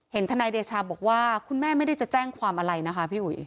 ทนายเดชาบอกว่าคุณแม่ไม่ได้จะแจ้งความอะไรนะคะพี่อุ๋ย